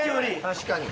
確かに。